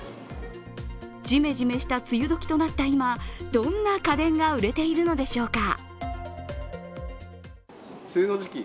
ジメジメした梅雨時となった今、どんな家電が売れているのでしょうか。